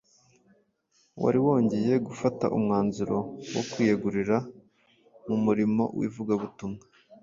wari wongeye gufata umwanzuro wo kwiyegurira mu murimo w’ivugabutumwa.